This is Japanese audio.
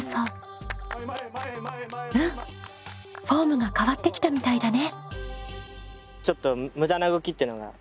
うんフォームが変わってきたみたいだね。